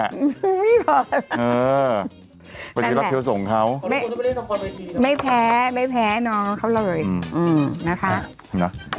อืมพอเออยังไปได้รับเพียวส่งเขาไม่ไม่แพ้ไม่แพ้น้องเขาเลยอือน่าภาพ